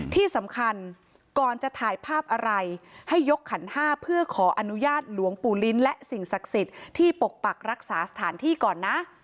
ที่สำคัญก่อนจะถ่ายภาพอะไรให้ยกขันห้าเพื่อขออนุญาตหลวงปู่ลิ้นและสิ่งศักดิ์สิทธิ์ที่ปกปักรักษาสถานที่ก่อนนะ